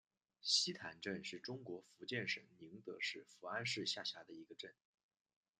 溪潭镇是中国福建省宁德市福安市下辖的一个镇。